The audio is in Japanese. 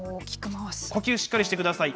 呼吸しっかりしてください。